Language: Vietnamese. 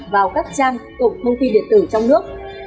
vào các trang cổng thông tin điện tử trong nước